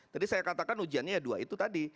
tadi saya katakan ujiannya dua itu tadi